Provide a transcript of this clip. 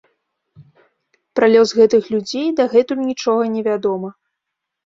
Пра лёс гэтых людзей дагэтуль нічога невядома.